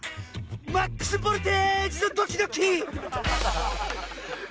マックスボルテージのドキドキ！